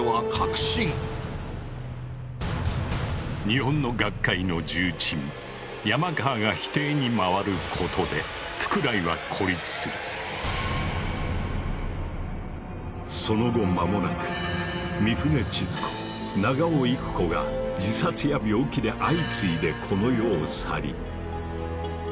日本の学会の重鎮山川が否定に回ることでその後まもなく御船千鶴子長尾郁子が自殺や病気で相次いでこの世を去り。